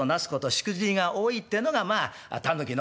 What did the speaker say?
しくじりが多いってのがまあ狸の方で。